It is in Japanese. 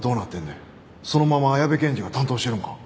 そのまま矢部検事が担当してるんか？